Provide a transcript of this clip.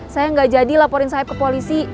saya gak jadi ngelaporin saeb ke polisi